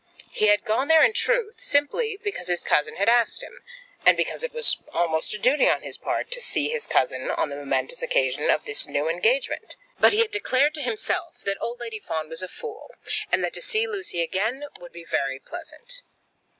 He had gone there, in truth, simply because his cousin had asked him, and because it was almost a duty on his part to see his cousin on the momentous occasion of this new engagement. But he had declared to himself that old Lady Fawn was a fool, and that to see Lucy again would be very pleasant.